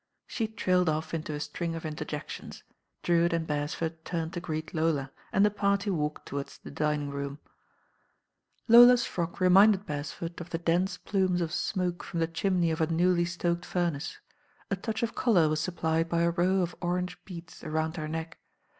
Sh^ trailed off mto a string of interjections; Drewitt and Beres ford turned to greet Lola, and the party walked towards the dining room. •*• THE RAIN OIRL Lola't frock reminded Beresford of the dense plumes of smoke from the chimney of a newly^toked furnace. A touch of colour was supplied by a row of orange bea^s round her neck.